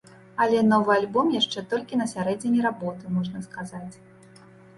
Але новы альбом яшчэ толькі на сярэдзіне работы, можна сказаць.